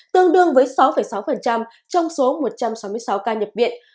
tương đương với sáu sáu trong số một trăm sáu mươi sáu ca nhập viện